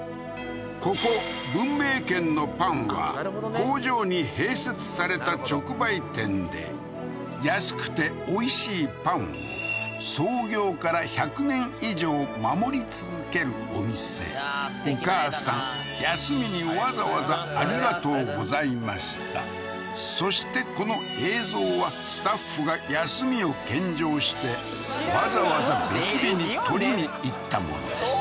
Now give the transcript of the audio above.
ここ文明軒のパンは工場に併設された直売店で安くておいしいパンを創業から１００年以上守り続けるお店お母さんそしてこの映像はスタッフが休みを返上してわざわざ別日に撮りに行ったものです